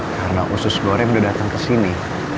karena usus goreng udah datang ke sini